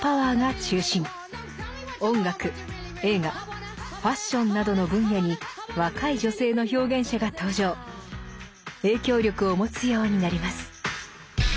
音楽映画ファッションなどの分野に若い女性の表現者が登場影響力を持つようになります。